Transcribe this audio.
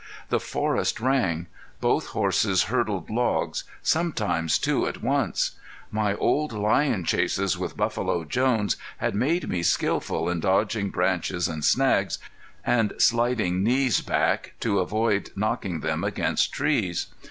The forest rang. Both horses hurdled logs, sometimes two at once. My old lion chases with Buffalo Jones had made me skillful in dodging branches and snags, and sliding knees back to avoid knocking them against trees.